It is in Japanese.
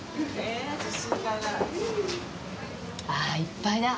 ああいっぱいだ。